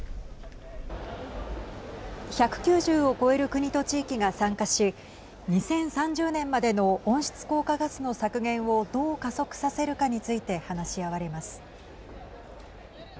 １９０を超える国と地域が参加し２０３０年までの温室効果ガスの削減をどう加速させるかについて話し合われます。